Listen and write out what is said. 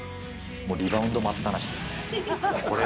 もうリバウンド待ったなしです。